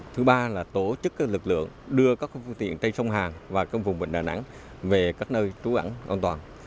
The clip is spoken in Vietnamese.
thứ ba là tổ chức các lực lượng đưa các phương tiện trên sông hàn và các vùng bệnh đà nẵng về các nơi trú ẩn an toàn